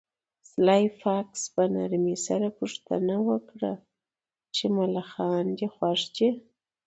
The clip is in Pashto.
سلای فاکس په نرمۍ سره پوښتنه وکړه چې ملخان دې خوښ دي